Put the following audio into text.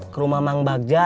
ke rumah mang bagja